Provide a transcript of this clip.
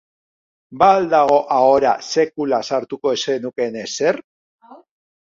Ba al dago ahora sekula sartuko ez zenukeen ezer?